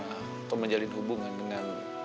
atau menjalin hubungan dengan